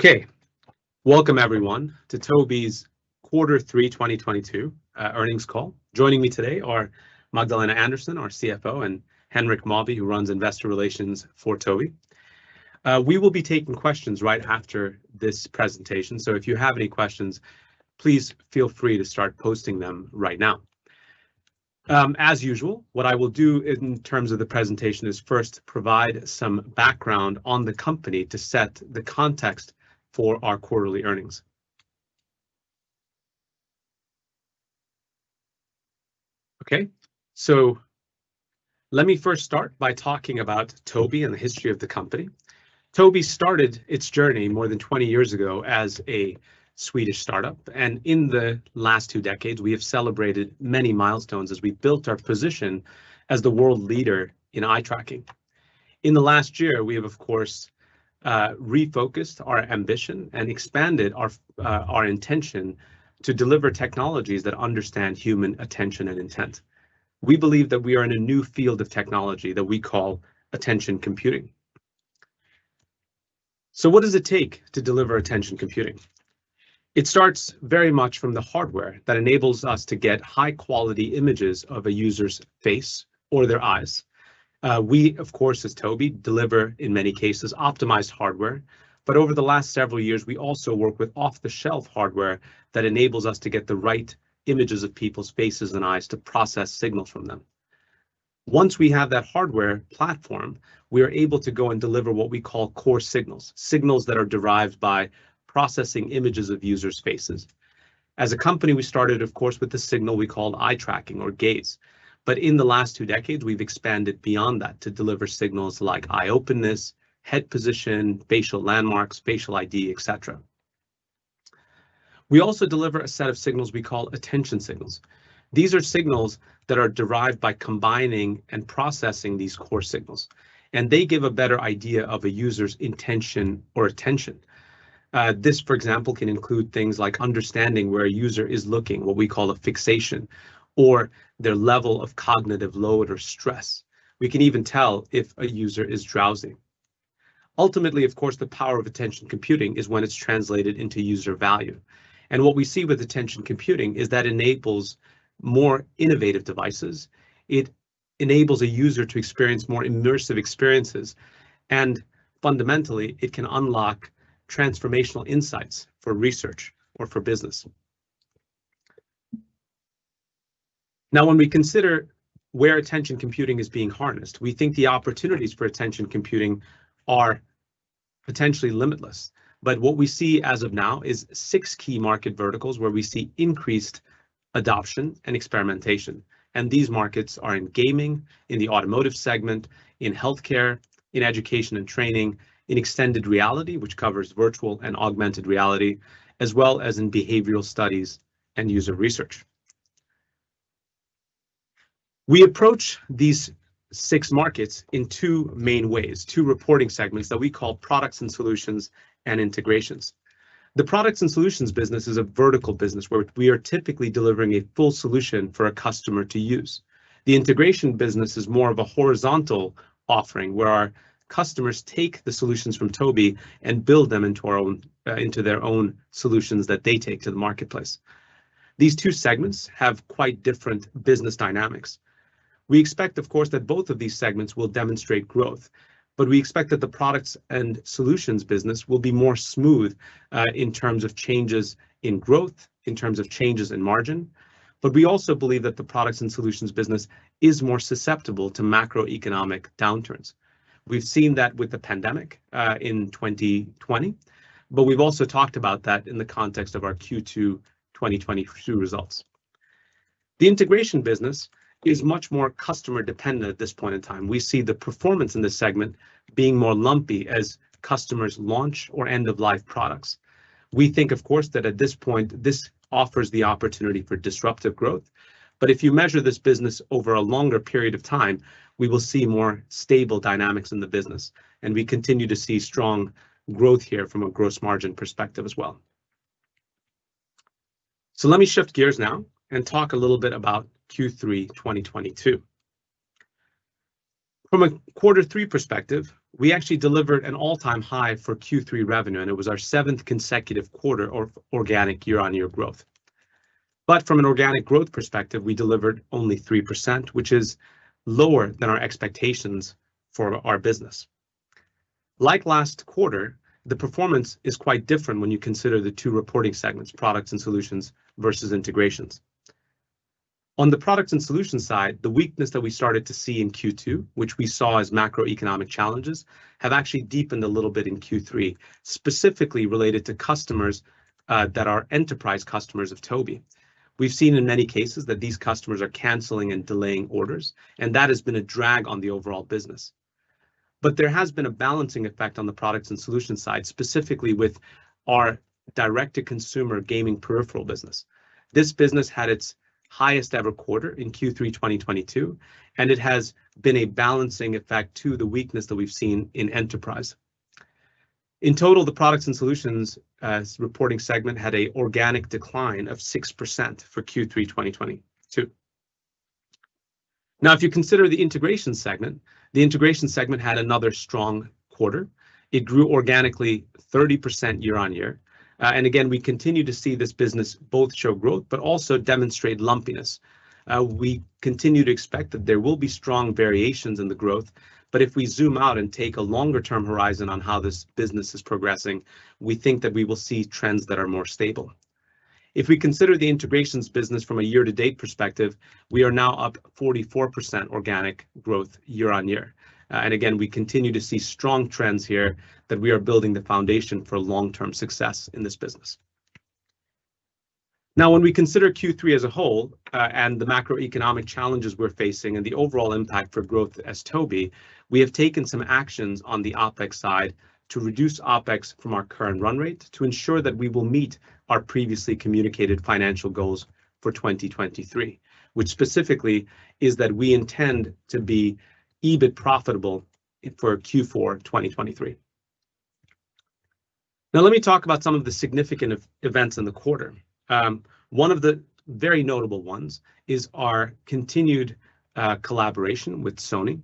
Okay. Welcome everyone to Tobii's quarter three 2022 earnings call. Joining me today are Magdalena Andersson, our CFO, and Henrik Eskilsson, who runs investor relations for Tobii. We will be taking questions right after this presentation, if you have any questions, please feel free to start posting them right now. As usual, what I will do in terms of the presentation is first provide some background on the company to set the context for our quarterly earnings. Okay. Let me first start by talking about Tobii and the history of the company. Tobii started its journey more than 20 years ago as a Swedish startup, and in the last two decades, we have celebrated many milestones as we built our position as the world leader in eye tracking. In the last year, we have, of course, refocused our ambition and expanded our intention to deliver technologies that understand human attention and intent. We believe that we are in a new field of technology that we call attention computing. What does it take to deliver attention computing? It starts very much from the hardware that enables us to get high-quality images of a user's face or their eyes. We, of course, as Tobii, deliver, in many cases, optimized hardware. Over the last several years, we also work with off-the-shelf hardware that enables us to get the right images of people's faces and eyes to process signals from them. Once we have that hardware platform, we are able to go and deliver what we call core signals that are derived by processing images of users' faces. As a company, we started, of course, with the signal we called eye tracking or gaze. In the last two decades, we've expanded beyond that to deliver signals like eye openness, head position, facial landmarks, facial ID, et cetera. We also deliver a set of signals we call attention signals. These are signals that are derived by combining and processing these core signals, and they give a better idea of a user's intention or attention. This, for example, can include things like understanding where a user is looking, what we call a fixation, or their level of cognitive load or stress. We can even tell if a user is drowsy. Ultimately, of course, the power of attention computing is when it's translated into user value. What we see with attention computing is that enables more innovative devices. It enables a user to experience more immersive experiences. Fundamentally, it can unlock transformational insights for research or for business. Now, when we consider where attention computing is being harnessed, we think the opportunities for attention computing are potentially limitless. What we see as of now is six key market verticals where we see increased adoption and experimentation. These markets are in gaming, in the automotive segment, in healthcare, in education and training, in extended reality, which covers virtual and augmented reality, as well as in behavioral studies and user research. We approach these six markets in two main ways, two reporting segments that we call products and solutions and integrations. The products and solutions business is a vertical business where we are typically delivering a full solution for a customer to use. The integration business is more of a horizontal offering, where our customers take the solutions from Tobii and build them into their own solutions that they take to the marketplace. These two segments have quite different business dynamics. We expect, of course, that both of these segments will demonstrate growth, but we expect that the products and solutions business will be more smooth in terms of changes in growth, in terms of changes in margin, but we also believe that the products and solutions business is more susceptible to macroeconomic downturns. We've seen that with the pandemic in 2020, but we've also talked about that in the context of our Q2 2022 results. The integration business is much more customer-dependent at this point in time. We see the performance in this segment being more lumpy as customers launch or end of life products. We think, of course, that at this point, this offers the opportunity for disruptive growth. If you measure this business over a longer period of time, we will see more stable dynamics in the business, and we continue to see strong growth here from a gross margin perspective as well. Let me shift gears now and talk a little bit about Q3 2022. From a quarter three perspective, we actually delivered an all-time high for Q3 revenue, and it was our seventh consecutive quarter of organic year-on-year growth. From an organic growth perspective, we delivered only 3%, which is lower than our expectations for our business. Like last quarter, the performance is quite different when you consider the two reporting segments, products and solutions versus integrations. On the products and solutions side, the weakness that we started to see in Q2, which we saw as macroeconomic challenges, have actually deepened a little bit in Q3, specifically related to customers that are enterprise customers of Tobii. We've seen in many cases that these customers are canceling and delaying orders, and that has been a drag on the overall business. There has been a balancing effect on the products and solutions side, specifically with our direct-to-consumer gaming peripheral business. This business had its highest ever quarter in Q3 2022, and it has been a balancing effect to the weakness that we've seen in enterprise. In total, the products and solutions reporting segment had a organic decline of 6% for Q3 2022. Now, if you consider the integration segment, the integration segment had another strong quarter. It grew organically 30% year-on-year. Again, we continue to see this business both show growth but also demonstrate lumpiness. We continue to expect that there will be strong variations in the growth, if we zoom out and take a longer-term horizon on how this business is progressing, we think that we will see trends that are more stable. If we consider the integrations business from a year-to-date perspective, we are now up 44% organic growth year-on-year. Again, we continue to see strong trends here that we are building the foundation for long-term success in this business. When we consider Q3 as a whole and the macroeconomic challenges we're facing and the overall impact for growth as Tobii, we have taken some actions on the OpEx side to reduce OpEx from our current run rate to ensure that we will meet our previously communicated financial goals for 2023, which specifically is that we intend to be EBIT profitable for Q4 2023. Let me talk about some of the significant events in the quarter. One of the very notable ones is our continued collaboration with Sony.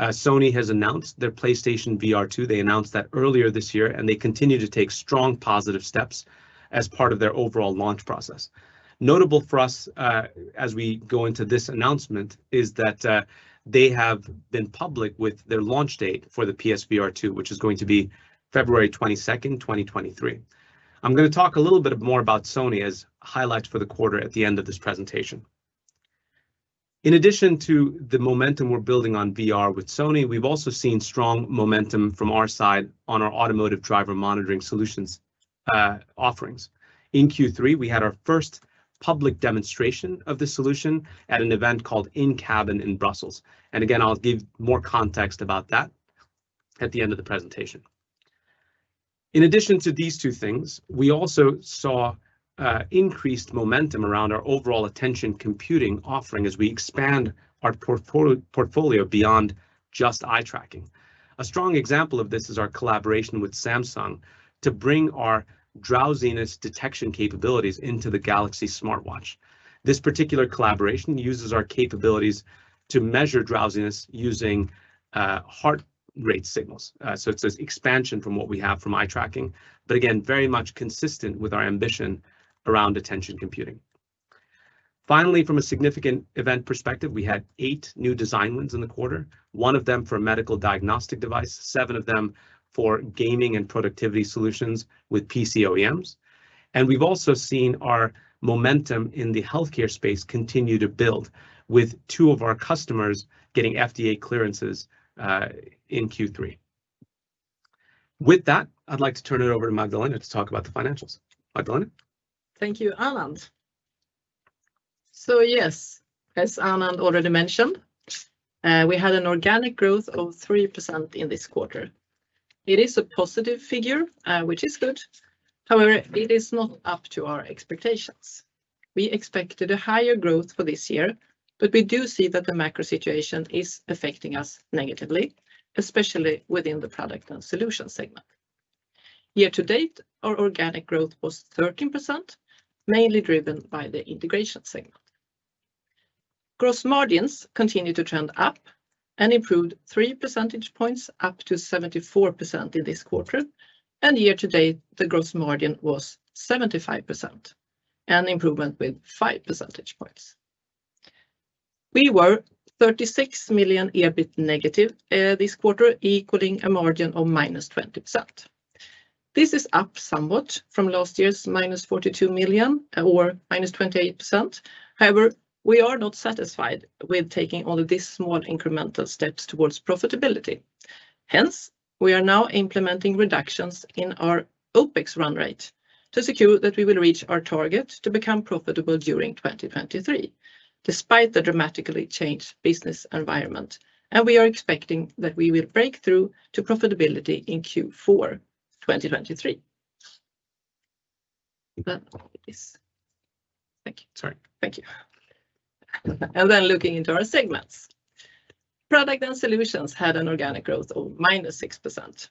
Sony has announced their PlayStation VR2. They announced that earlier this year, and they continue to take strong positive steps as part of their overall launch process. Notable for us, as we go into this announcement, is that they have been public with their launch date for the PS VR2, which is going to be February 22nd, 2023. I'm going to talk a little bit more about Sony as highlights for the quarter at the end of this presentation. In addition to the momentum we're building on VR with Sony, we've also seen strong momentum from our side on our automotive driver monitoring solutions offerings. In Q3, we had our first public demonstration of this solution at an event called InCabin in Brussels. Again, I'll give more context about that at the end of the presentation. In addition to these two things, we also saw increased momentum around our overall attention computing offering as we expand our portfolio beyond just eye-tracking. A strong example of this is our collaboration with Samsung to bring our drowsiness detection capabilities into the Galaxy smartwatch. This particular collaboration uses our capabilities to measure drowsiness using heart rate signals. It's an expansion from what we have from eye-tracking, but again, very much consistent with our ambition around attention computing. Finally, from a significant event perspective, we had eight new design wins in the quarter, one of them for a medical diagnostic device, seven of them for gaming and productivity solutions with PC OEMs. We've also seen our momentum in the healthcare space continue to build, with two of our customers getting FDA clearances in Q3. With that, I'd like to turn it over to Magdalena to talk about the financials. Magdalena? Thank you, Anand. Yes, as Anand already mentioned, we had an organic growth of 3% in this quarter. It is a positive figure, which is good. However, it is not up to our expectations. We expected a higher growth for this year, but we do see that the macro situation is affecting us negatively, especially within the product and solutions segment. Year to date, our organic growth was 13%, mainly driven by the integration segment. Gross margins continue to trend up and improved 3 percentage points, up to 74% in this quarter, and year to date, the gross margin was 75%, an improvement with 5 percentage points. We were 36 million EBIT negative this quarter, equaling a margin of -20%. This is up somewhat from last year's 42 million, or -28%. We are not satisfied with taking only these small incremental steps towards profitability. Hence, we are now implementing reductions in our OpEx run rate to secure that we will reach our target to become profitable during 2023, despite the dramatically changed business environment, and we are expecting that we will break through to profitability in Q4 2023. Thank you. Sorry. Looking into our segments. Product and solutions had an organic growth of -6%.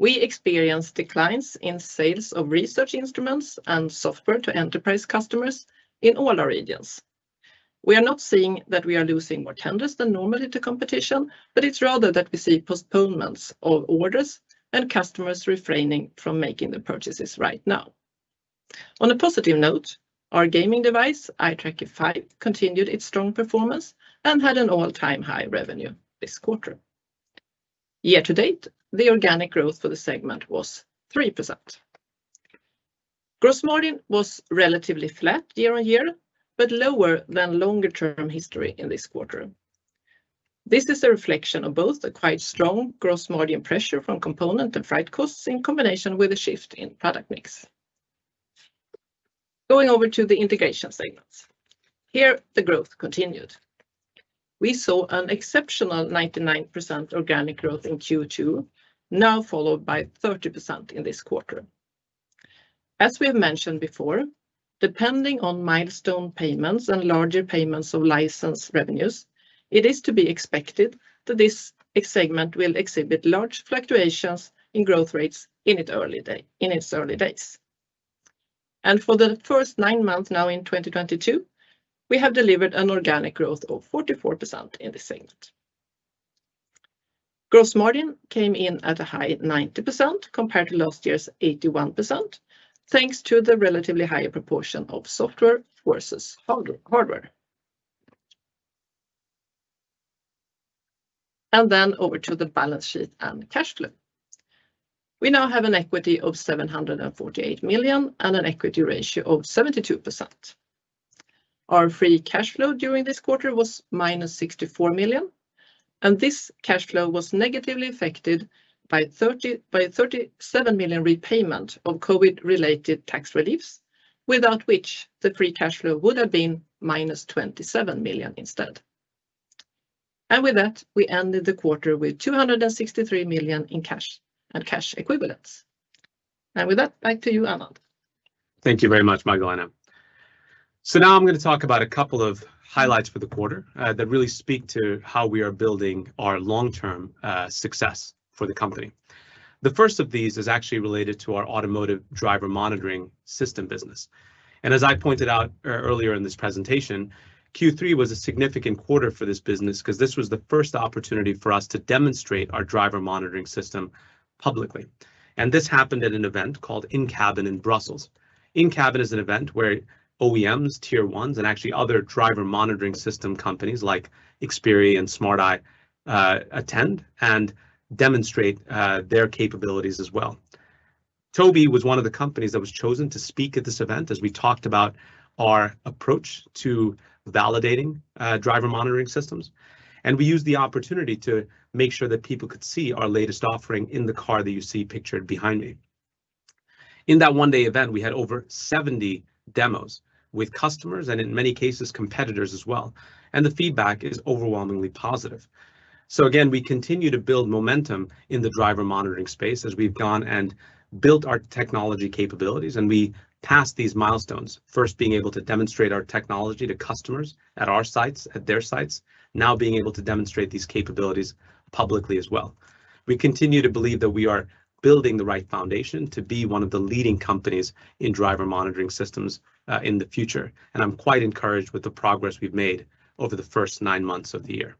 We experienced declines in sales of research instruments and software to enterprise customers in all our regions. We are not seeing that we are losing more tenders than normal to competition, but it's rather that we see postponements of orders and customers refraining from making the purchases right now. On a positive note, our gaming device, Eye Tracker 5, continued its strong performance and had an all-time high revenue this quarter. Year-to-date, the organic growth for the segment was 3%. Gross margin was relatively flat year-on-year, but lower than longer-term history in this quarter. This is a reflection of both a quite strong gross margin pressure from component and freight costs in combination with a shift in product mix. Going over to the integration segments. Here the growth continued. We saw an exceptional 99% organic growth in Q2, now followed by 30% in this quarter. As we have mentioned before, depending on milestone payments and larger payments of license revenues, it is to be expected that this segment will exhibit large fluctuations in growth rates in its early days And for the first nine months now in 2022, we have delivered an organic growth of 44% in the segment. Gross margin came in at a high 90% compared to last year's 81%, thanks to the relatively higher proportion of software versus hardware. Over to the balance sheet and cash flow. We now have an equity of 748 million and an equity ratio of 72%. Our free cash flow during this quarter was -64 million, and this cash flow was negatively affected by 37 million repayment of COVID-related tax reliefs, without which the free cash flow would have been -27 million instead. With that, we ended the quarter with 263 million in cash and cash equivalents. With that, back to you, Anand. Thank you very much, Magdalena. Now I'm going to talk about a couple of highlights for the quarter that really speak to how we are building our long-term success for the company. The first of these is actually related to our automotive driver monitoring system business. As I pointed out earlier in this presentation, Q3 was a significant quarter for this business because this was the first opportunity for us to demonstrate our driver monitoring system publicly. This happened at an event called InCabin in Brussels. InCabin is an event where OEMs, tier 1s, and actually other driver monitoring system companies like Xperi and Smart Eye attend and demonstrate their capabilities as well. Tobii was one of the companies that was chosen to speak at this event as we talked about our approach to validating driver monitoring systems. We used the opportunity to make sure that people could see our latest offering in the car that you see pictured behind me. In that one-day event, we had over 70 demos with customers and, in many cases, competitors as well, and the feedback is overwhelmingly positive. Again, we continue to build momentum in the driver monitoring space as we've gone and built our technology capabilities, and we passed these milestones, first being able to demonstrate our technology to customers at our sites, at their sites, now being able to demonstrate these capabilities publicly as well. We continue to believe that we are building the right foundation to be one of the leading companies in driver monitoring systems in the future, and I'm quite encouraged with the progress we've made over the first nine months of the year.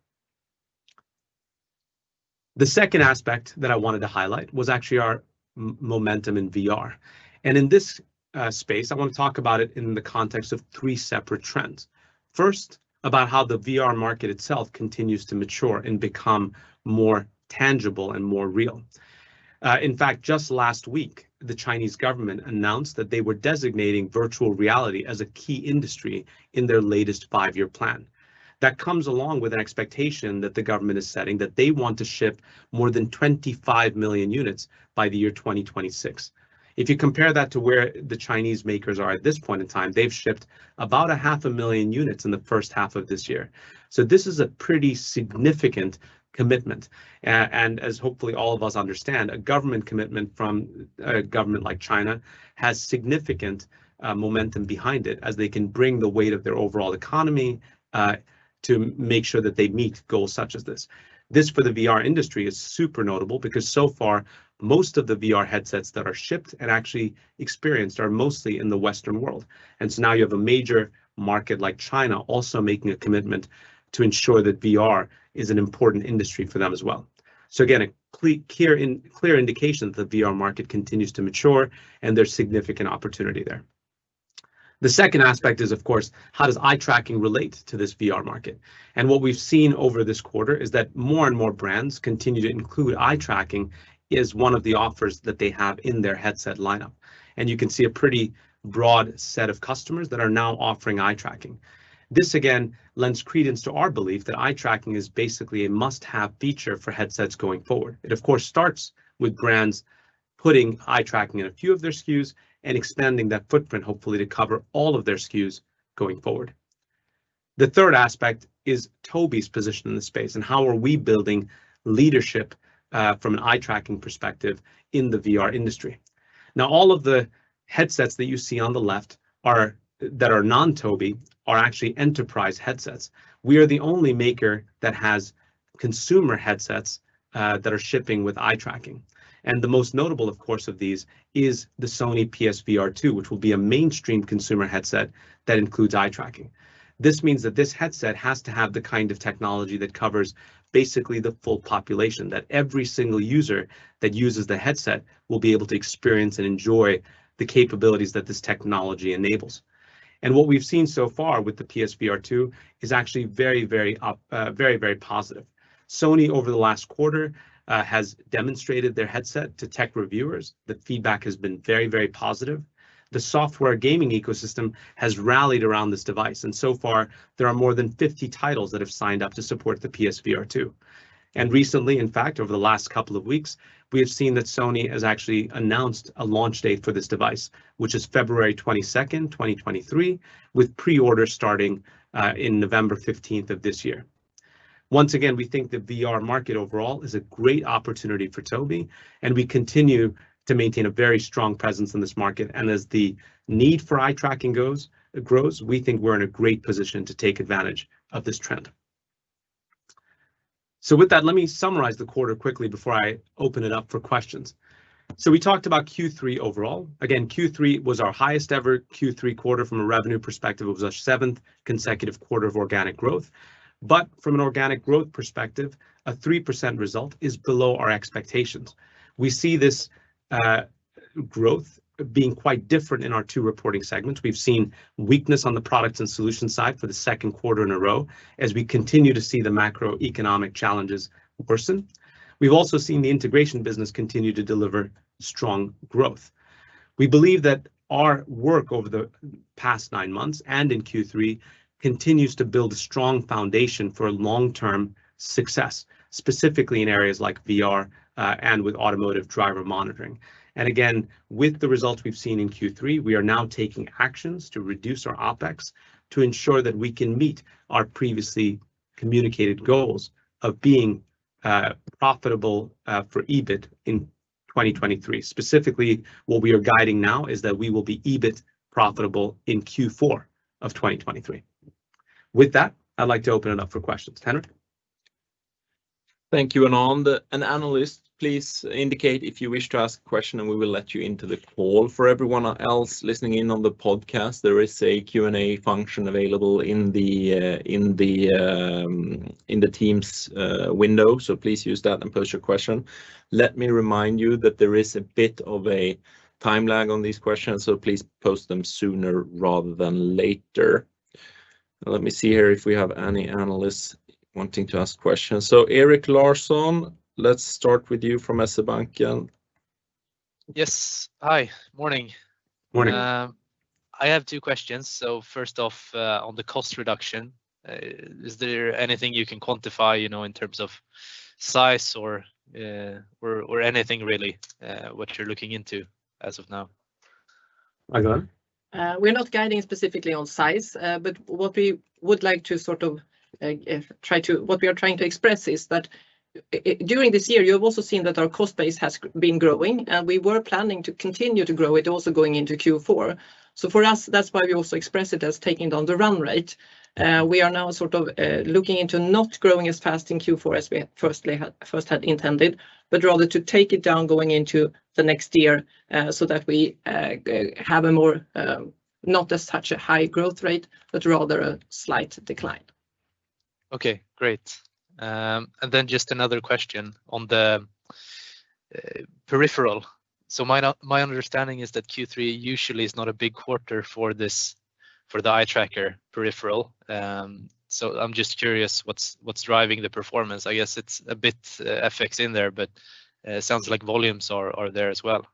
The second aspect that I wanted to highlight was actually our momentum in VR. In this space, I want to talk about it in the context of three separate trends. First, about how the VR market itself continues to mature and become more tangible and more real. In fact, just last week, the Chinese government announced that they were designating virtual reality as a key industry in their latest five-year plan. That comes along with an expectation that the government is setting that they want to ship more than 25 million units by the year 2026. If you compare that to where the Chinese makers are at this point in time, they've shipped about a half a million units in the first half of this year. This is a pretty significant commitment. As hopefully all of us understand, a government commitment from a government like China has significant momentum behind it as they can bring the weight of their overall economy to make sure that they meet goals such as this. This, for the VR industry, is super notable because so far, most of the VR headsets that are shipped and actually experienced are mostly in the Western world. Now you have a major market like China also making a commitment to ensure that VR is an important industry for them as well. Again, a clear indication that the VR market continues to mature and there's significant opportunity there. The second aspect is, of course, how does eye-tracking relate to this VR market? What we've seen over this quarter is that more and more brands continue to include eye-tracking as one of the offers that they have in their headset lineup. You can see a pretty broad set of customers that are now offering eye-tracking. This, again, lends credence to our belief that eye-tracking is basically a must-have feature for headsets going forward. It of course starts with brands putting eye-tracking in a few of their SKUs and expanding that footprint, hopefully to cover all of their SKUs going forward. The third aspect is Tobii's position in the space and how are we building leadership from an eye-tracking perspective in the VR industry. Now, all of the headsets that you see on the left that are non-Tobii are actually enterprise headsets. We are the only maker that has consumer headsets that are shipping with eye-tracking. The most notable, of course, of these is the Sony PSVR 2, which will be a mainstream consumer headset that includes eye-tracking. This means that this headset has to have the kind of technology that covers basically the full population, that every single user that uses the headset will be able to experience and enjoy the capabilities that this technology enables. What we've seen so far with the PSVR 2 is actually very positive. Sony over the last quarter has demonstrated their headset to tech reviewers. The feedback has been very positive. The software gaming ecosystem has rallied around this device, and so far there are more than 50 titles that have signed up to support the PSVR 2. Recently, in fact, over the last couple of weeks, we have seen that Sony has actually announced a launch date for this device, which is February 22nd, 2023, with pre-orders starting in November 15th of this year. Once again, we think the VR market overall is a great opportunity for Tobii, and we continue to maintain a very strong presence in this market. As the need for eye-tracking grows, we think we're in a great position to take advantage of this trend. With that, let me summarize the quarter quickly before I open it up for questions. We talked about Q3 overall. Again, Q3 was our highest ever Q3 quarter from a revenue perspective. It was our seventh consecutive quarter of organic growth. But from an organic growth perspective, a 3% result is below our expectations. We see this growth being quite different in our two reporting segments. We've seen weakness on the products and solutions side for the second quarter in a row, as we continue to see the macroeconomic challenges worsen. We've also seen the integration business continue to deliver strong growth. We believe that our work over the past nine months and in Q3 continues to build a strong foundation for long-term success, specifically in areas like VR, and with automotive driver monitoring. Again, with the results we've seen in Q3, we are now taking actions to reduce our OpEx to ensure that we can meet our previously communicated goals of being profitable for EBIT in 2023. Specifically, what we are guiding now is that we will be EBIT profitable in Q4 of 2023. With that, I'd like to open it up for questions. Henrik? Thank you, Anand. Analysts, please indicate if you wish to ask a question, and we will let you into the call. For everyone else listening in on the podcast, there is a Q&A function available in the Teams window. Please use that and pose your question. Let me remind you that there is a bit of a time lag on these questions, please post them sooner rather than later. Let me see here if we have any analysts wanting to ask questions. Erik Larsson, let's start with you, from SEB. Yes. Hi. Morning. Morning. I have two questions. First off, on the cost reduction, is there anything you can quantify, in terms of size or anything really, what you're looking into as of now? Maggan? We're not guiding specifically on size. What we are trying to express is that during this year, you have also seen that our cost base has been growing, and we were planning to continue to grow it also going into Q4. For us, that's why we also express it as taking it on the run rate. We are now looking into not growing as fast in Q4 as we first had intended, but rather to take it down going into the next year, that we have not as such a high growth rate, but rather a slight decline. Okay, great. Just another question on the peripheral. My understanding is that Q3 usually is not a big quarter for the eye tracker peripheral. I am just curious what is driving the performance. I guess it is a bit FX in there, but sounds like volumes are there as well.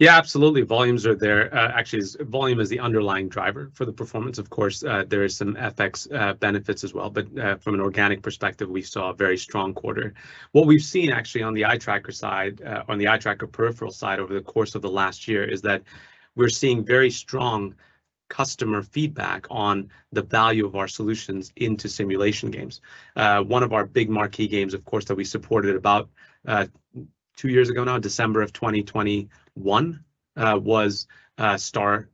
Yeah, absolutely. Volumes are there. Actually, volume is the underlying driver for the performance. Of course, there is some FX benefits as well, but from an organic perspective, we saw a very strong quarter. What we have seen actually on the eye tracker peripheral side over the course of the last year is that we are seeing very strong customer feedback on the value of our solutions into simulation games. One of our big marquee games, of course, that we supported about 2 years ago now, December of 2020, was Star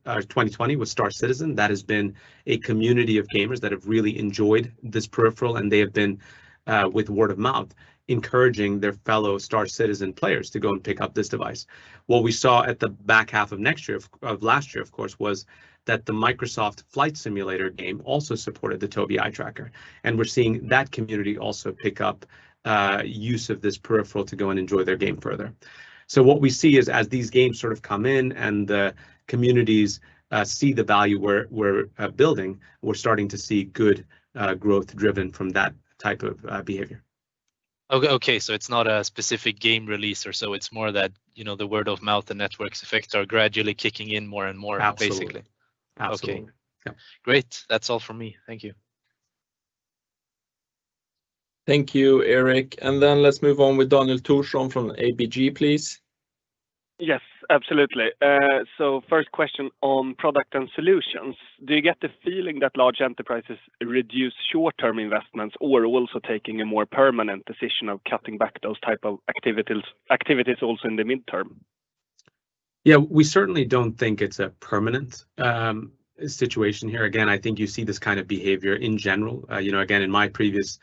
Citizen. That has been a community of gamers that have really enjoyed this peripheral, and they have been, with word of mouth, encouraging their fellow Star Citizen players to go and pick up this device. What we saw at the back half of last year, of course, was that the Microsoft Flight Simulator game also supported the Tobii eye tracker. We are seeing that community also pick up use of this peripheral to go and enjoy their game further. What we see is as these games come in, and the communities see the value we are building, we are starting to see good growth driven from that type of behavior. Okay. It is not a specific game release or so, it is more that the word of mouth and network effects are gradually kicking in more and more, basically. Absolutely. Okay. Yeah. Great. That's all from me. Thank you. Thank you, Erik. Let's move on with Daniel Thorsson from ABG, please. Yes, absolutely. First question on product and solutions. Do you get the feeling that large enterprises reduce short-term investments or also taking a more permanent decision of cutting back those type of activities also in the midterm? Yeah, we certainly don't think it's a permanent situation here. Again, I think you see this kind of behavior in general. Again, in my previous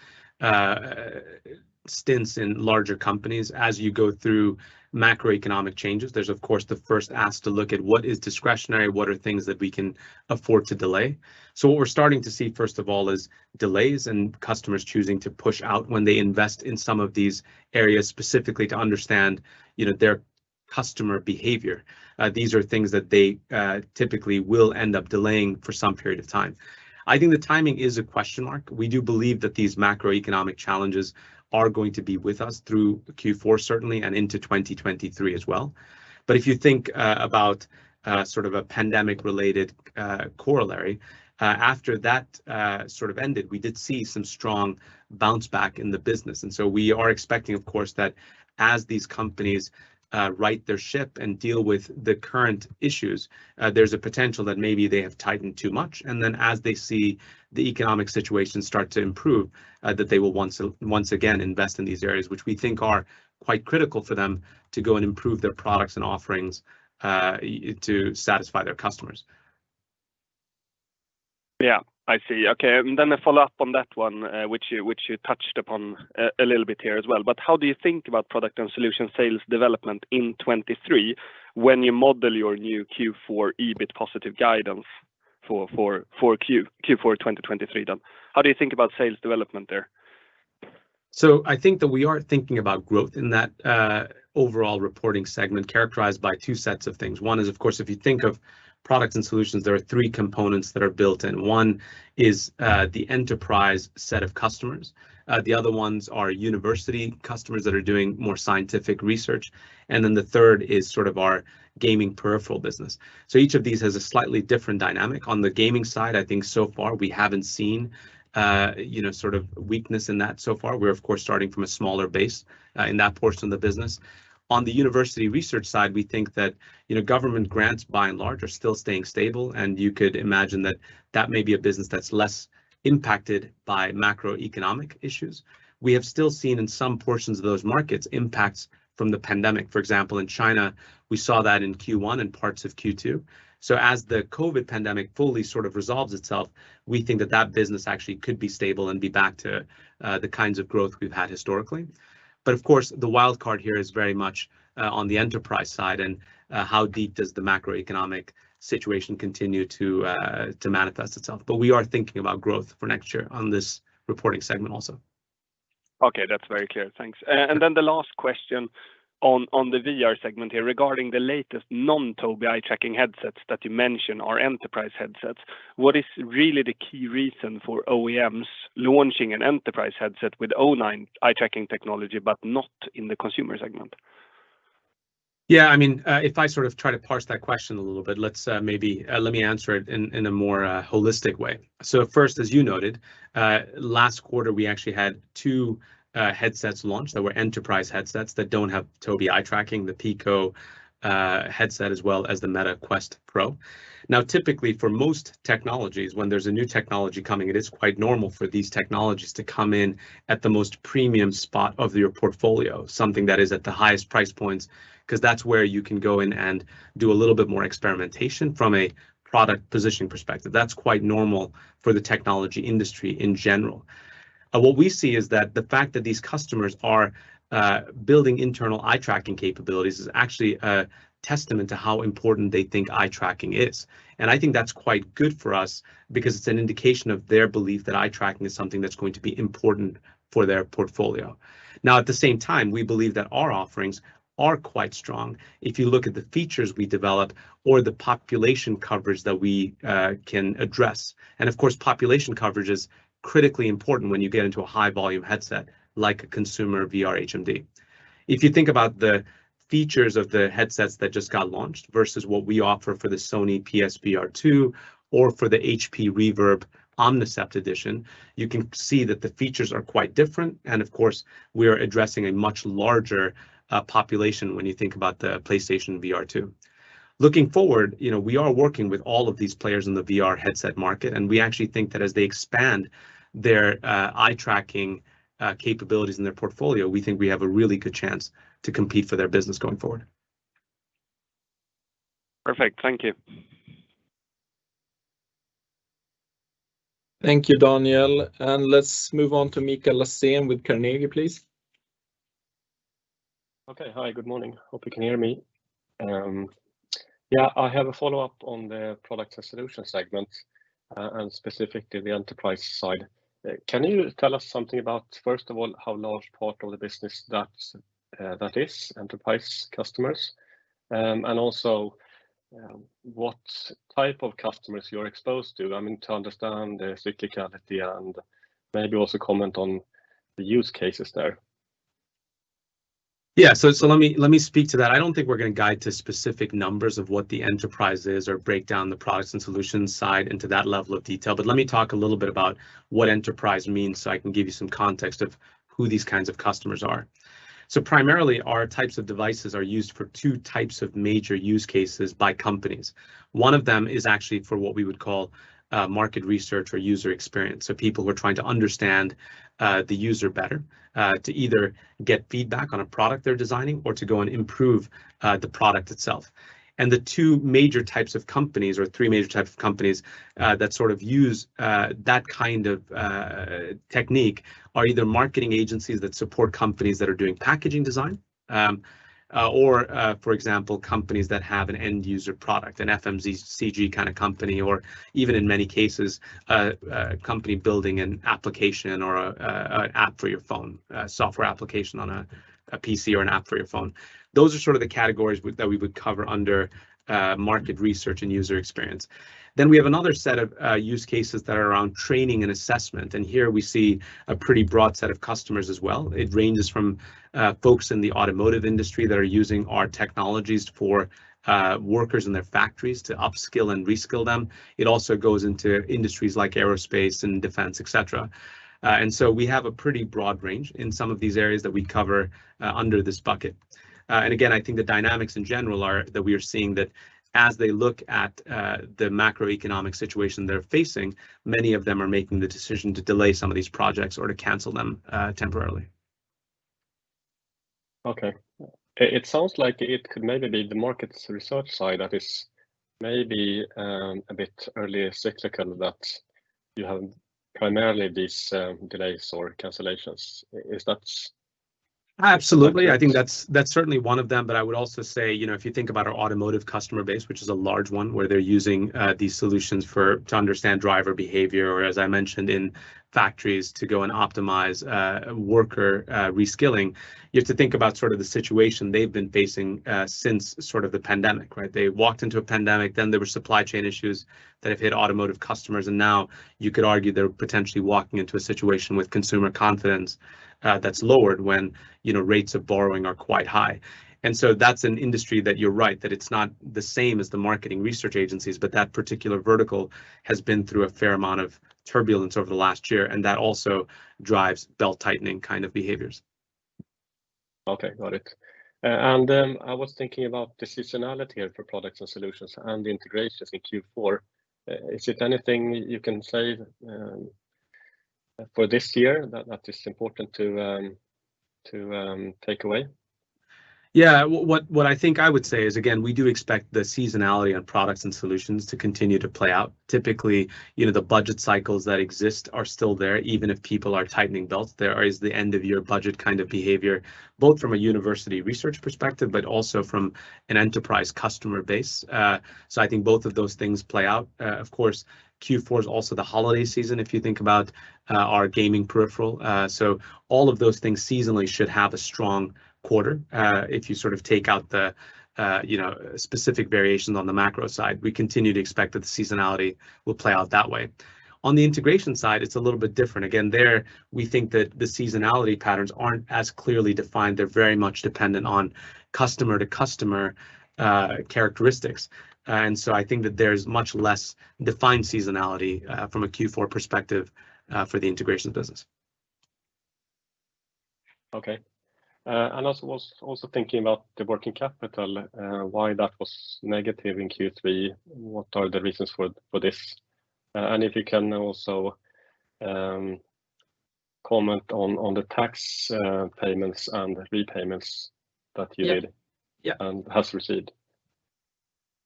stints in larger companies, as you go through macroeconomic changes, there's of course the first ask to look at what is discretionary, what are things that we can afford to delay? What we're starting to see, first of all, is delays in customers choosing to push out when they invest in some of these areas, specifically to understand their customer behavior. These are things that they typically will end up delaying for some period of time. I think the timing is a question mark. We do believe that these macroeconomic challenges are going to be with us through Q4, certainly, and into 2023 as well. If you think about a pandemic-related corollary, after that ended, we did see some strong bounce back in the business. We are expecting, of course, that as these companies right their ship and deal with the current issues, there's a potential that maybe they have tightened too much, as they see the economic situation start to improve, that they will once again invest in these areas, which we think are quite critical for them to go and improve their products and offerings to satisfy their customers. Yeah, I see. Okay. A follow-up on that one, which you touched upon a little bit here as well. How do you think about product and solution sales development in 2023 when you model your new Q4 EBIT positive guidance for Q4 2023? How do you think about sales development there? I think that we are thinking about growth in that overall reporting segment characterized by two sets of things. One is, of course, if you think of products and solutions, there are three components that are built in. One is the enterprise set of customers. The other ones are university customers that are doing more scientific research. The third is our gaming peripheral business. Each of these has a slightly different dynamic. On the gaming side, I think so far we haven't seen a weakness in that so far. We're of course starting from a smaller base in that portion of the business. On the university research side, we think that government grants by and large are still staying stable, and you could imagine that that may be a business that's less impacted by macroeconomic issues. We have still seen in some portions of those markets impacts from the pandemic. For example, in China, we saw that in Q1 and parts of Q2. As the COVID pandemic fully resolves itself, we think that that business actually could be stable and be back to the kinds of growth we've had historically. Of course, the wild card here is very much on the enterprise side and how deep does the macroeconomic situation continue to manifest itself. We are thinking about growth for next year on this reporting segment also. That's very clear. Thanks. The last question on the VR segment here regarding the latest non-Tobii eye-tracking headsets that you mentioned are enterprise headsets. What is really the key reason for OEMs launching an enterprise headset with own eye-checking technology, but not in the consumer segment? Yeah, if I try to parse that question a little bit, let me answer it in a more holistic way. First, as you noted, last quarter, we actually had two headsets launched that were enterprise headsets that don't have Tobii eye tracking, the Pico headset as well as the Meta Quest Pro. Typically, for most technologies, when there's a new technology coming, it is quite normal for these technologies to come in at the most premium spot of your portfolio, something that is at the highest price points, because that's where you can go in and do a little bit more experimentation from a product positioning perspective. That's quite normal for the technology industry in general. What we see is that the fact that these customers are building internal eye-tracking capabilities is actually a testament to how important they think eye tracking is. I think that's quite good for us because it's an indication of their belief that eye tracking is something that's going to be important for their portfolio. At the same time, we believe that our offerings are quite strong. If you look at the features we develop or the population coverage that we can address. Of course, population coverage is critically important when you get into a high-volume headset like a consumer VR HMD. If you think about the features of the headsets that just got launched versus what we offer for the Sony PS VR2 or for the HP Reverb Omnicept Edition, you can see that the features are quite different. Of course, we are addressing a much larger population when you think about the PlayStation VR2. Looking forward, we are working with all of these players in the VR headset market, we actually think that as they expand their eye-tracking capabilities in their portfolio, we think we have a really good chance to compete for their business going forward. Perfect. Thank you. Thank you, Daniel. Let's move on to Mikael Sandsten with Carnegie, please. Okay. Hi, good morning. Hope you can hear me. Yeah, I have a follow-up on the product and solution segment, and specifically the enterprise side. Can you tell us something about, first of all, how large part of the business that is, enterprise customers? Also, what type of customers you're exposed to understand the cyclicality and maybe also comment on the use cases there? Yeah. Let me speak to that. I don't think we're going to guide to specific numbers of what the enterprise is or break down the products and solutions side into that level of detail. Let me talk a little bit about what enterprise means so I can give you some context of who these kinds of customers are. Primarily, our types of devices are used for 2 types of major use cases by companies. One of them is actually for what we would call market research or user experience. People who are trying to understand the user better, to either get feedback on a product they're designing or to go and improve the product itself. The two major types of companies, or three major types of companies that sort of use that kind of technique are either marketing agencies that support companies that are doing packaging design or, for example, companies that have an end-user product, an FMCG kind of company, or even in many cases, a company building an application or an app for your phone, a software application on a PC or an app for your phone. Those are sort of the categories that we would cover under market research and user experience. We have another set of use cases that are around training and assessment, and here we see a pretty broad set of customers as well. It ranges from folks in the automotive industry that are using our technologies for workers in their factories to upskill and reskill them. It also goes into industries like aerospace and defense, et cetera. We have a pretty broad range in some of these areas that we cover under this bucket. Again, I think the dynamics in general are that we are seeing that as they look at the macroeconomic situation they're facing, many of them are making the decision to delay some of these projects or to cancel them temporarily Okay. It sounds like it could maybe be the market research side that is maybe a bit early cyclical that you have primarily these delays or cancellations. Is that? Absolutely. I think that's certainly one of them, but I would also say, if you think about our automotive customer base, which is a large one, where they're using these solutions to understand driver behavior, or as I mentioned, in factories to go and optimize worker reskilling. You have to think about the situation they've been facing since the pandemic. They walked into a pandemic, then there were supply chain issues that have hit automotive customers, and now you could argue they're potentially walking into a situation with consumer confidence that's lowered when rates of borrowing are quite high. That's an industry that you're right, that it's not the same as the marketing research agencies, but that particular vertical has been through a fair amount of turbulence over the last year, and that also drives belt-tightening kind of behaviors. Okay, got it. I was thinking about seasonality for products and solutions and integrations in Q4. Is it anything you can say for this year that is important to take away? Yeah. What I think I would say is, again, we do expect the seasonality on products and solutions to continue to play out. Typically, the budget cycles that exist are still there, even if people are tightening belts. There is the end-of-year budget kind of behavior, both from a university research perspective, but also from an enterprise customer base. I think both of those things play out. Of course, Q4 is also the holiday season, if you think about our gaming peripheral. All of those things seasonally should have a strong quarter. If you take out the specific variations on the macro side, we continue to expect that the seasonality will play out that way. On the integration side, it's a little bit different. Again, there, we think that the seasonality patterns aren't as clearly defined. They're very much dependent on customer-to-customer characteristics. I think that there's much less defined seasonality from a Q4 perspective for the integrations business. Okay. I was also thinking about the working capital, why that was negative in Q3. What are the reasons for this? If you can also comment on the tax payments and repayments that you made- Yeah has received.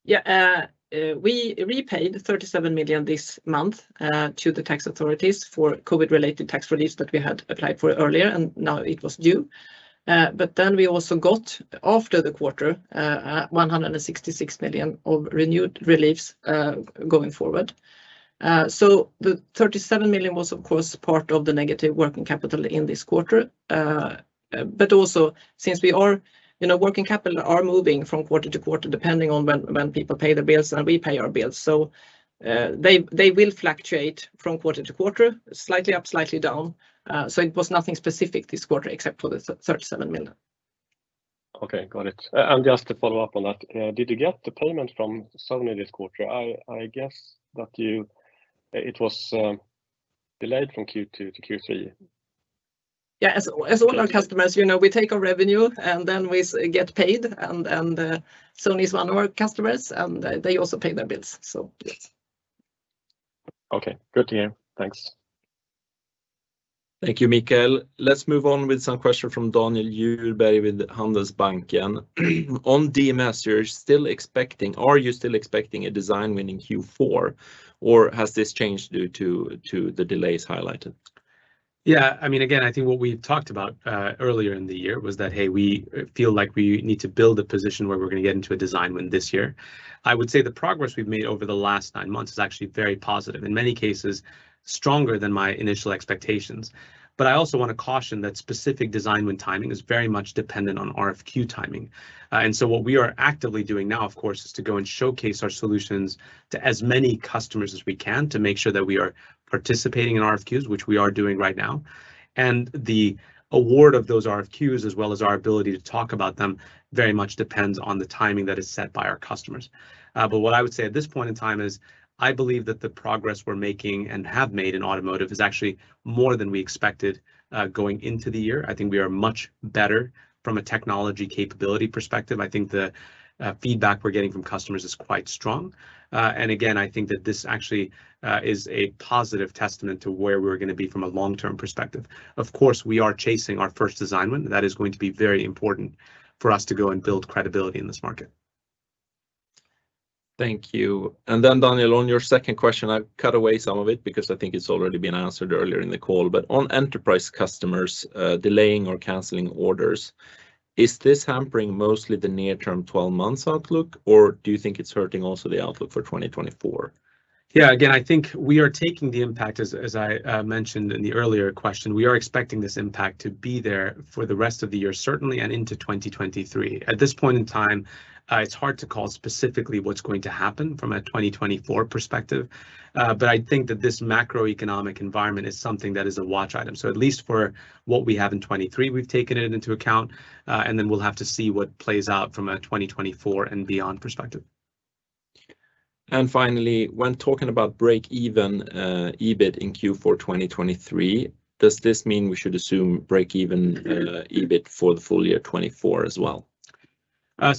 Yeah. We repaid 37 million this month to the tax authorities for COVID-related tax reliefs that we had applied for earlier, and now it was due. We also got, after the quarter, 166 million of renewed reliefs going forward. The 37 million was, of course, part of the negative working capital in this quarter. Also since working capital are moving from quarter to quarter, depending on when people pay their bills and we pay our bills. They will fluctuate from quarter to quarter, slightly up, slightly down. It was nothing specific this quarter, except for the 37 million. Okay, got it. Just to follow up on that, did you get the payment from Sony this quarter? I guess that it was delayed from Q2 to Q3. Yeah. As all our customers, we take our revenue, and then we get paid, and Sony's one of our customers, and they also pay their bills, so yes. Okay, good to hear. Thanks. Thank you, Mikael. Let's move on with some questions from Daniel Jullberg with Handelsbanken. On DMS, are you still expecting a design win in Q4, or has this changed due to the delays highlighted? Again, I think what we've talked about earlier in the year was that, hey, we feel like we need to build a position where we're going to get into a design win this year. I would say the progress we've made over the last nine months is actually very positive. In many cases, stronger than my initial expectations. I also want to caution that specific design win timing is very much dependent on RFQ timing. What we are actively doing now, of course, is to go and showcase our solutions to as many customers as we can to make sure that we are participating in RFQs, which we are doing right now. The award of those RFQs, as well as our ability to talk about them, very much depends on the timing that is set by our customers. What I would say at this point in time is I believe that the progress we're making and have made in automotive is actually more than we expected going into the year. I think we are much better from a technology capability perspective. I think the feedback we're getting from customers is quite strong. Again, I think that this actually is a positive testament to where we're going to be from a long-term perspective. Of course, we are chasing our first design win. That is going to be very important for us to go and build credibility in this market. Thank you. Daniel, on your second question, I cut away some of it because I think it's already been answered earlier in the call. On enterprise customers delaying or canceling orders, is this hampering mostly the near-term 12 months outlook, or do you think it's hurting also the outlook for 2024? Again, I think we are taking the impact, as I mentioned in the earlier question. We are expecting this impact to be there for the rest of the year, certainly, and into 2023. At this point in time, it's hard to call specifically what's going to happen from a 2024 perspective. I think that this macroeconomic environment is something that is a watch item. At least for what we have in 2023, we've taken it into account, and then we'll have to see what plays out from a 2024 and beyond perspective. Finally, when talking about break-even EBIT in Q4 2023, does this mean we should assume break-even EBIT for the full year 2024 as well?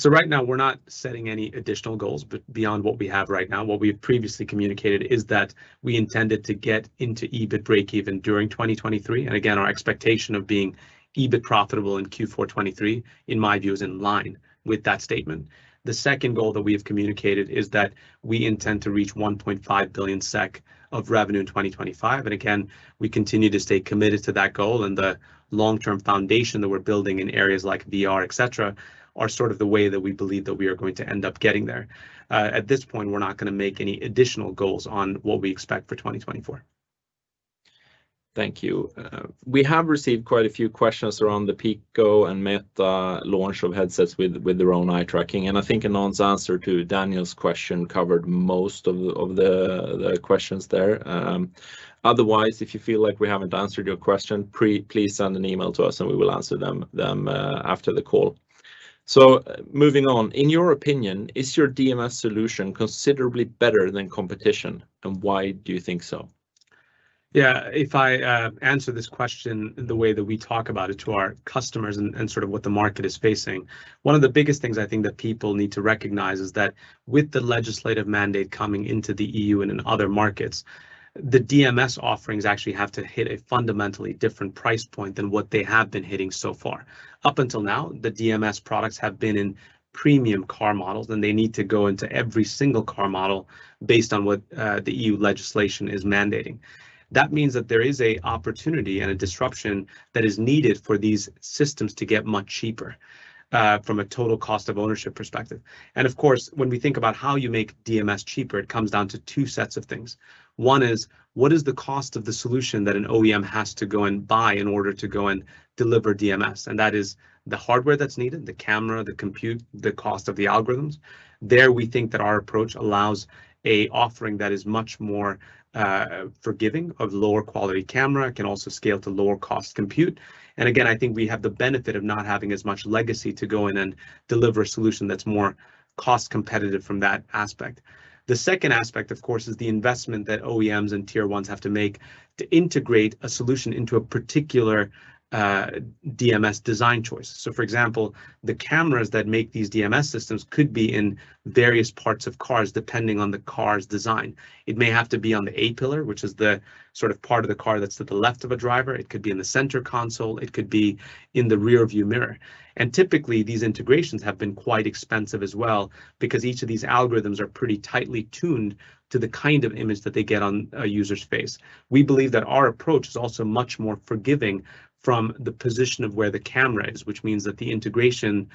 Right now, we're not setting any additional goals beyond what we have right now. What we have previously communicated is that we intended to get into EBIT breakeven during 2023. Again, our expectation of being EBIT profitable in Q4 2023, in my view, is in line with that statement. The second goal that we have communicated is that we intend to reach 1.5 billion SEK of revenue in 2025. Again, we continue to stay committed to that goal. The long-term foundation that we're building in areas like VR, et cetera, are sort of the way that we believe that we are going to end up getting there. At this point, we're not going to make any additional goals on what we expect for 2024. Thank you. We have received quite a few questions around the Pico and Meta launch of headsets with their own eye tracking, and I think Anand's answer to Daniel's question covered most of the questions there. Otherwise, if you feel like we haven't answered your question, please send an email to us and we will answer them after the call. Moving on, in your opinion, is your DMS solution considerably better than competition, and why do you think so? Yeah. If I answer this question in the way that we talk about it to our customers and sort of what the market is facing, one of the biggest things I think that people need to recognize is that with the legislative mandate coming into the EU and in other markets, the DMS offerings actually have to hit a fundamentally different price point than what they have been hitting so far. Up until now, the DMS products have been in premium car models, and they need to go into every single car model based on what the EU legislation is mandating. That means that there is an opportunity and a disruption that is needed for these systems to get much cheaper from a total cost of ownership perspective. Of course, when we think about how you make DMS cheaper, it comes down to two sets of things. One is, what is the cost of the solution that an OEM has to go and buy in order to go and deliver DMS? That is the hardware that's needed, the camera, the compute, the cost of the algorithms. There, we think that our approach allows an offering that is much more forgiving of lower quality camera. It can also scale to lower cost compute. Again, I think we have the benefit of not having as much legacy to go in and deliver a solution that's more cost competitive from that aspect. The second aspect, of course, is the investment that OEMs and Tier 1s have to make to integrate a solution into a particular DMS design choice. For example, the cameras that make these DMS systems could be in various parts of cars, depending on the car's design. It may have to be on the A-pillar, which is the sort of part of the car that's to the left of a driver. It could be in the center console. It could be in the rear view mirror. Typically, these integrations have been quite expensive as well because each of these algorithms are pretty tightly tuned to the kind of image that they get on a user's face. We believe that our approach is also much more forgiving from the position of where the camera is, which means that the integration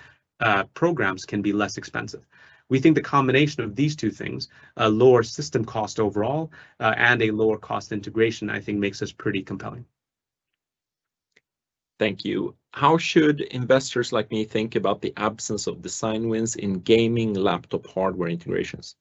programs can be less expensive. We think the combination of these two things, a lower system cost overall and a lower cost integration, I think makes us pretty compelling. Thank you. How should investors like me think about the absence of design wins in gaming laptop hardware integrations?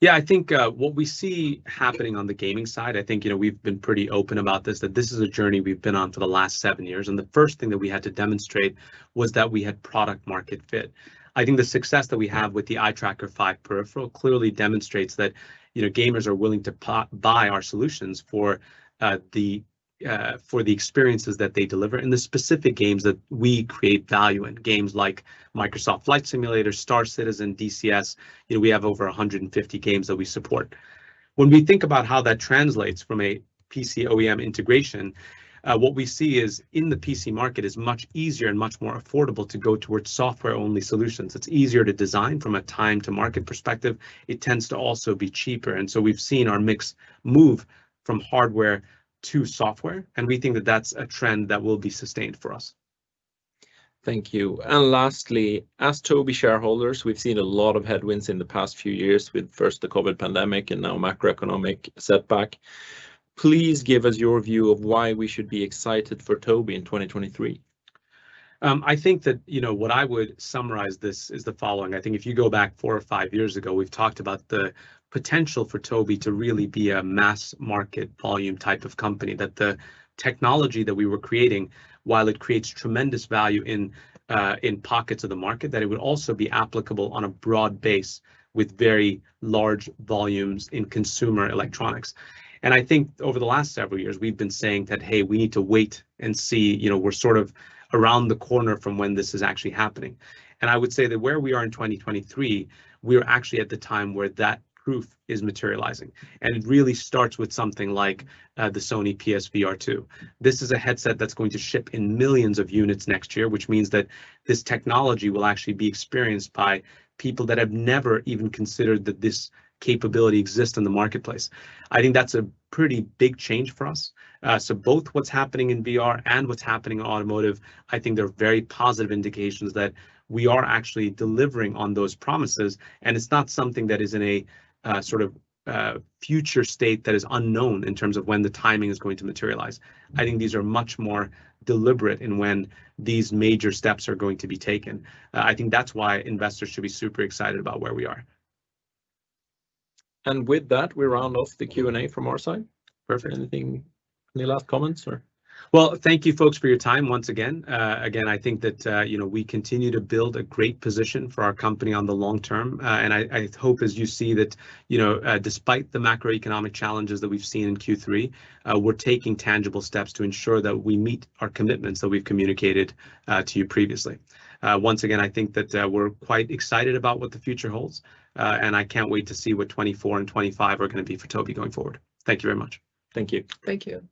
Yeah. I think what we see happening on the gaming side, I think we've been pretty open about this, that this is a journey we've been on for the last seven years, and the first thing that we had to demonstrate was that we had product market fit. I think the success that we have with the Eye Tracker 5 peripheral clearly demonstrates that gamers are willing to buy our solutions for the experiences that they deliver and the specific games that we create value in. Games like "Microsoft Flight Simulator," "Star Citizen," "DCS." We have over 150 games that we support. When we think about how that translates from a PC OEM integration, what we see is in the PC market, it's much easier and much more affordable to go towards software-only solutions. It's easier to design from a time to market perspective. It tends to also be cheaper, and so we've seen our mix move from hardware to software, and we think that that's a trend that will be sustained for us. Thank you. Lastly, as Tobii shareholders, we've seen a lot of headwinds in the past few years with first the COVID pandemic and now macroeconomic setback. Please give us your view of why we should be excited for Tobii in 2023. I think that what I would summarize this is the following. I think if you go back four or five years ago, we've talked about the potential for Tobii to really be a mass market volume type of company, that the technology that we were creating, while it creates tremendous value in pockets of the market, that it would also be applicable on a broad base with very large volumes in consumer electronics. I think over the last several years we've been saying that, hey, we need to wait and see. We're sort of around the corner from when this is actually happening. I would say that where we are in 2023, we are actually at the time where that proof is materializing, and it really starts with something like the Sony PS VR2. This is a headset that's going to ship in millions of units next year, which means that this technology will actually be experienced by people that have never even considered that this capability exists in the marketplace. I think that's a pretty big change for us. Both what's happening in VR and what's happening in automotive, I think they're very positive indications that we are actually delivering on those promises, and it's not something that is in a sort of future state that is unknown in terms of when the timing is going to materialize. I think these are much more deliberate in when these major steps are going to be taken. I think that's why investors should be super excited about where we are. With that, we round off the Q&A from our side. Perfect. Anything? Any last comments or? Well, thank you folks for your time once again. I think that we continue to build a great position for our company on the long term. I hope as you see that despite the macroeconomic challenges that we've seen in Q3, we're taking tangible steps to ensure that we meet our commitments that we've communicated to you previously. I think that we're quite excited about what the future holds, and I can't wait to see what 2024 and 2025 are going to be for Tobii going forward. Thank you very much. Thank you. Thank you.